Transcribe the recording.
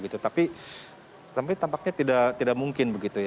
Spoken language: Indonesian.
tapi tampaknya tidak mungkin begitu ya